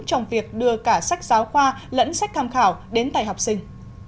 trong việc đưa cả sách giáo khoa lẫn sách tham khảo đến tay học sinh